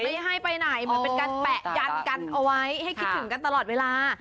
ไม่ให้ไปไหนเหมือนเป็นการแปะยันกันเอาไว้ให้คิดถึงกันตลอดเวลา